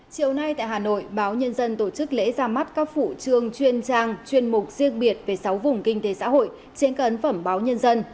chiều nay tại hà nội báo nhân dân tổ chức lễ ra mắt các phủ trường chuyên trang chuyên mục riêng biệt về sáu vùng kinh tế xã hội trên cấn phẩm báo nhân dân